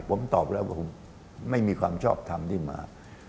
ผมตอบแล้วว่าผมไม่มีความชอบทำที่มา